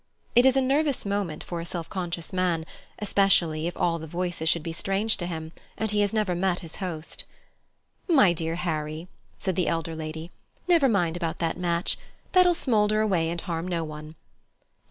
It is a nervous moment for a self conscious man, especially if all the voices should be strange to him, and he has never met his host. "My dear Harry!" said the elder lady, "never mind about that match. That'll smoulder away and harm no one.